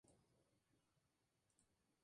Fue conocida como lugar de exilio de los judíos.